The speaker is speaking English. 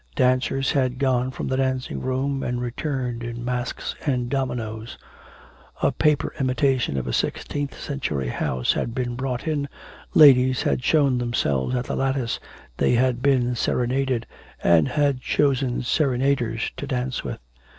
Dancers had gone from the dancing room and returned in masks and dominoes. A paper imitation of a sixteenth century house had been brought in, ladies had shown themselves at the lattice, they had been serenaded, and had chosen serenaders to dance with.